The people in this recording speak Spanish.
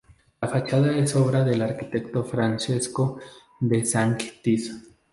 La fachada es obra del arquitecto Francesco De Sanctis.